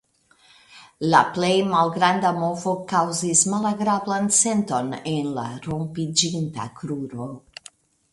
La plej malgranda movo kaŭzis malagrablan senton en la rompiĝinta kruro.